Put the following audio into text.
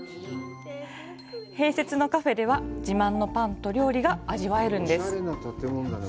併設のカフェでは自慢のパンと料理が味わえるんです。